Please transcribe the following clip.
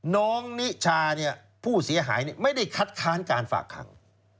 นิชาเนี่ยผู้เสียหายไม่ได้คัดค้านการฝากขัง